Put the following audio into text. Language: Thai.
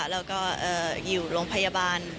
แล้วก็อยู่โรงพยาบาล